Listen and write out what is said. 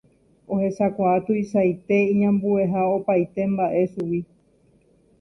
ohechakuaa tuichaite iñambueha opaite mba'e chugui